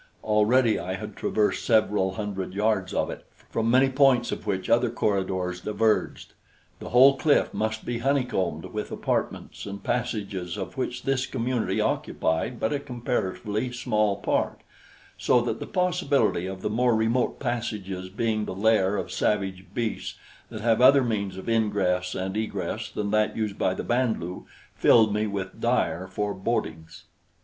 Already I had traversed several hundred yards of it, from many points of which other corridors diverged. The whole cliff must be honeycombed with apartments and passages of which this community occupied but a comparatively small part, so that the possibility of the more remote passages being the lair of savage beasts that have other means of ingress and egress than that used by the Band lu filled me with dire forebodings.